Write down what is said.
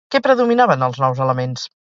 Què predominava en els nous elements?